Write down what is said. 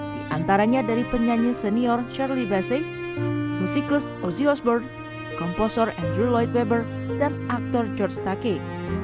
di antaranya dari penyanyi senior shirley bassey musikus ozzy osbourne komposer andrew lloyd webber dan aktor george takei